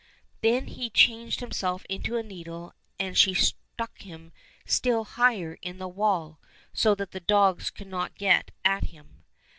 " Then he changed himself into a needle, and she stuck him still higher in the wall, so that the dogs could not get at him.